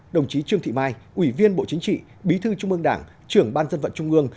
đồng chí trương thị mai ủy viên bộ chính trị bí thư trung ương đảng trưởng ban dân vận trung ương